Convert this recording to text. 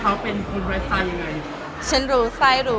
หรือว่ารู้คิด๔๖๖เป็นคนร้ายใจยังไง